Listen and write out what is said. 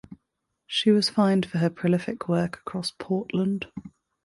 She was fined for her prolific work across Portland.